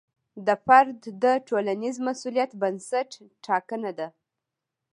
د فرد د ټولنیز مسوولیت بنسټ ټاکنه ده.